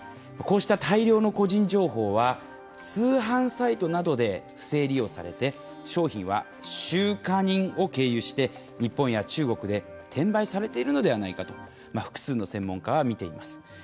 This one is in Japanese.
こうした大量の個人情報は通販サイトなどで不正利用されて商品は収貨人を経由して日本や中国で転売されているのではないかと複数の専門家はみています。